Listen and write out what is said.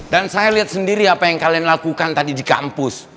dan saya liat sendiri apa yang kalian lakukan tadi di kampus